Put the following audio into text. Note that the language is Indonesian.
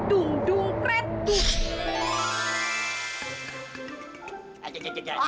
dung dung kretuk